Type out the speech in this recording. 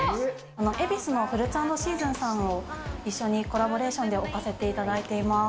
恵比寿のフルーツアンドシーズンさんも、一緒にコラボレーションで置かせていただいてます。